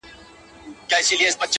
• د ګل پر سیمه هر سبا راځمه ,